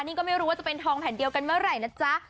นี่ก็ไม่รู้ว่าจะเป็นทองแผ่นเดียวกันเมื่อไหร่นะจ๊ะ